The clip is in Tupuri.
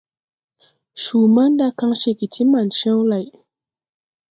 Cuu manda kaŋ ceege ti man cew lay.